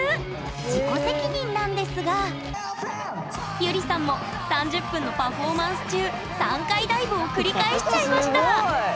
自己責任なんですがゆりさんも３０分のパフォーマンス中３回ダイブを繰り返しちゃいましたすごい！